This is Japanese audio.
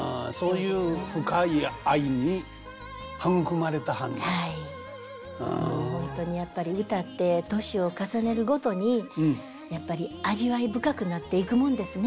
もう本当にやっぱり歌って年を重ねるごとにやっぱり味わい深くなっていくもんですね。